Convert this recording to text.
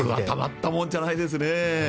たまったもんじゃないですね。